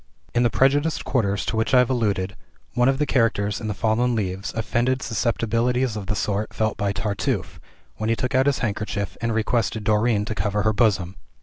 In the prejudiced quarters to which I have alluded, one of the characters in "The Fallen Leaves" offended susceptibilities of the sort felt by Tartuffe, when he took out his handkerchief, and requested Dorine to cover her bosom.